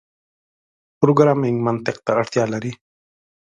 پروګرامنګ منطق ته اړتیا لري.